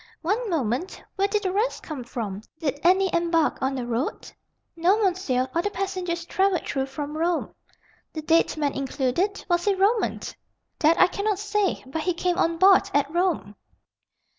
"One moment. Where did the rest come from? Did any embark on the road?" "No, monsieur; all the passengers travelled through from Rome." "The dead man included? Was he Roman?" "That I cannot say, but he came on board at Rome."